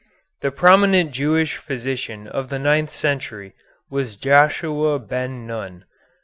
The prominent Jewish physician of the ninth century was Joshua Ben Nun.